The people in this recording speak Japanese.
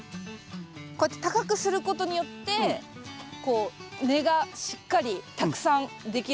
こうやって高くすることによってこう根がしっかりたくさんできるということですか。